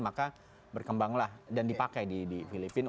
maka berkembanglah dan dipakai di filipina